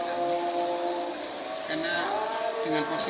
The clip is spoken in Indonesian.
adalah yang bisa dikatakan lebih efektif